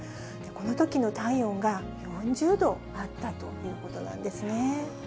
このときの体温が４０度あったということなんですね。